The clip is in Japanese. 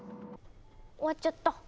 終わっちゃった。